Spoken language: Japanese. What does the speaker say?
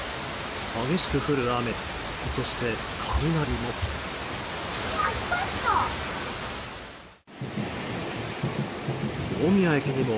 激しく降る雨そして雷も。